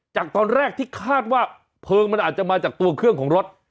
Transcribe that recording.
จากตอนแรกที่คาดว่าเพลิงมันอาจจะมาจากตัวเครื่องของรถ